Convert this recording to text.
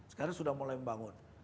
sekarang sudah mulai membangun